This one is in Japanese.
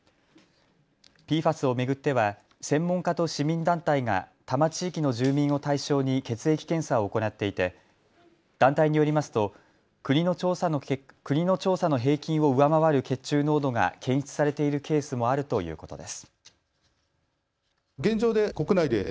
ＰＦＡＳを巡っては専門家と市民団体が多摩地域の住民を対象に血液検査を行っていて団体によりますと国の調査の平均を上回る血中濃度が検出されているケースもあるということです。